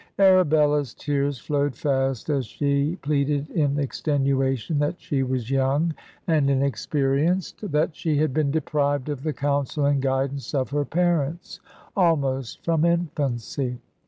"Arabella's tears flowed fast, as she pleaded in exten uation that she was young and ine3q)erienced ;... that she had been deprived of the counsel and guidance of her parents almost from infancy.